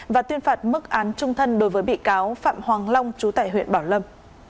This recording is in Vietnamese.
và tuyên phạt mức án trung thân đối với bị cáo phạm hoàng long chú tải huyện bảo lâm